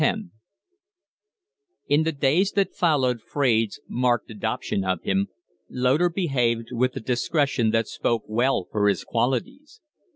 X In the days that followed Fraide's marked adoption of him Loder behaved with a discretion that spoke well for his qualities.